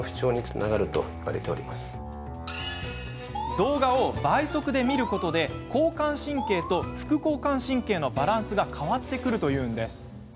動画を倍速で見ることで交感神経と副交感神経のバランスが変わってくるというのです。